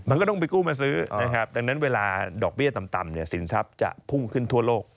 มันก็ต้องไปกู้มาซื้อนะครับดังนั้นเวลาดอกเบี้ยต่ำเนี่ยสินทรัพย์จะพุ่งขึ้นทั่วโลก